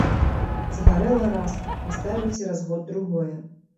Згарэла раз, паставіў цераз год другое.